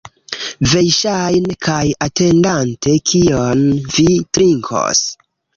Verŝajne. Kaj atendante, kion vi trinkos?